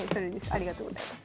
ありがとうございます。